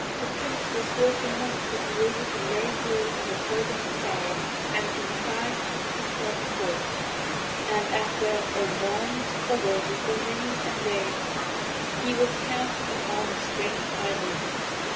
The Prince was fortunate enough to be able to lay hold of a floating spar, and contrived to keep himself afloat; and, after a long struggle with the winds and waves, he was cast upon a strange island.